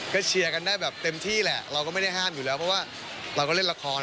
ก็เชียร์กันได้แบบเต็มที่แหละเราก็ไม่ได้ห้ามอยู่แล้วเพราะว่าเราก็เล่นละคร